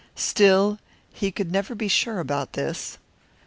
Still, he could never be sure about this.